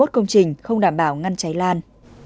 năm mươi một công trình không đảm bảo ngăn cháy lan